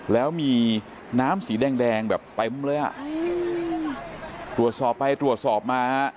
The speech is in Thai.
แล้วมีน้ำสีแดงแดงแบบเต็มเลยอ่ะตรวจสอบไปตรวจสอบมาฮะ